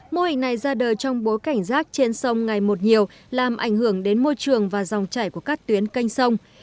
mô hình này ra đời trong bối cảnh rác trên sông ngày một nhiều làm ảnh hưởng đến môi trường và dòng chảy của các tuyến canh sông